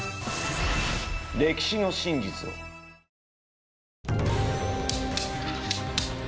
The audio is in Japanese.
歴史の真実を。え！